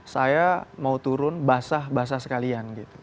saya mau turun basah basah sekalian gitu